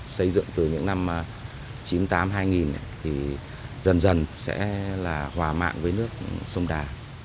xây dựng từ những năm chín mươi tám hai nghìn thì dần dần sẽ là hòa mạng với nước sông đà